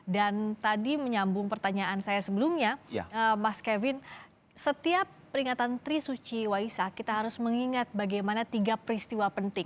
dan tadi menyambung pertanyaan saya sebelumnya mas kevin setiap peringatan tri suci waisak kita harus mengingat bagaimana tiga peristiwa penting